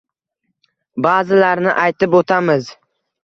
Ba’zilarini aytib o‘tamiz: